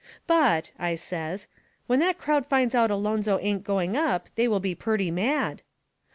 "But," I says, "when that crowd finds out Alonzo ain't going up they will be purty mad."